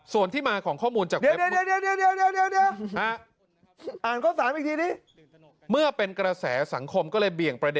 ส่วนที่มาของข้อมูลจากนี้